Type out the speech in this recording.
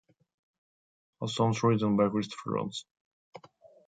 All songs written by Christofer Johnsson.